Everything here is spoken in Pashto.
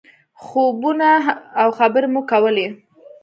خوبونه او خبرې مو کولې.